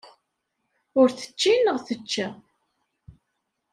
Ur tečči neɣ tečča?